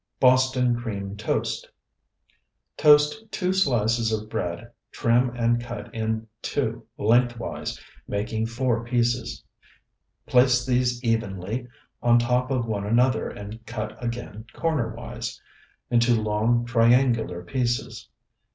BOSTON CREAM TOAST Toast two slices of bread, trim and cut in two lengthwise, making four pieces. Place these evenly on top of one another and cut again cornerwise, into long triangular pieces.